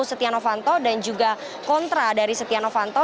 setia novanto dan juga kontra dari setia novanto